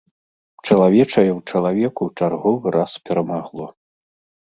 Чалавечае ў чалавеку чарговы раз перамагло.